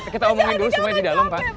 kita omongin dulu sungai di dalam pak